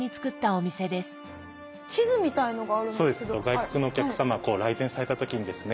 外国のお客様来店された時にですね